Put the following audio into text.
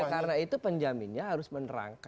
karena itu penjaminnya harus menerangkan